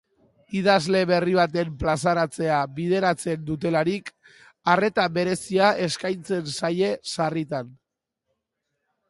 Idazle berri baten plazaratzea bideratzen dutelarik, arreta berezia eskaintzen zaie sarritan.